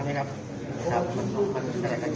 มันกระจายและไม่ได้ยอด